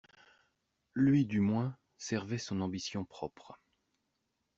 Lui, du moins, servait son ambition propre.